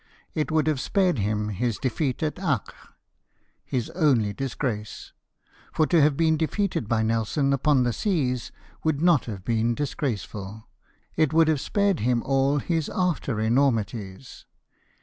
It would have spared him his defeat at Acre — his only disgrace ; for to have been defeated by Nelson upon the seas would not have been disgraceful : it would have spared him all his after enormities.